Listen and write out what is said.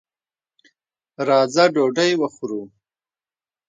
راځه ډوډۍ وخورو.